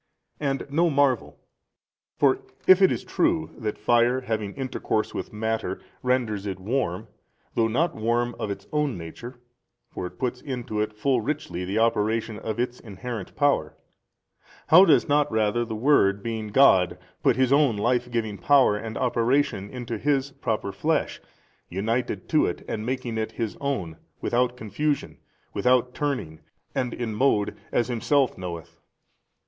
And no marvel. For if it is true that fire having intercourse with matter, renders it warm, though not warm of its own nature (for it puts into it full richly the operation of its inherent power): how does not rather the Word being God put His own Life giving Power and Operation into His Proper flesh, united to it and making it His own, without confusion, without turning and in mode as Himself knoweth?